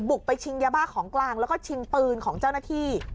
ไปชิงยาบ้าของกลางแล้วก็ชิงปืนของเจ้าหน้าที่